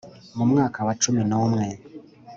Mu mwaka wa cumi n umwe